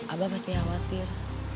abah pasti khawatir